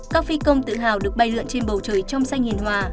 các phi công tự hào được bay lượn trên bầu trời trong xanh hiền hòa